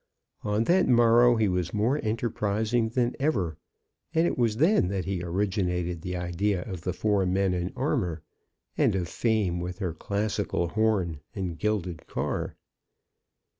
On that morrow he was more enterprising than ever, and it was then that he originated the idea of the four men in armour, and of Fame with her classical horn and gilded car.